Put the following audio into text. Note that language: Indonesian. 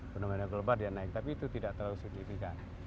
fenomena global dia naik tapi itu tidak terlalu signifikan